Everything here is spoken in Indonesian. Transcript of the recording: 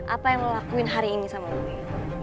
apa yang lu lakuin hari ini sama gue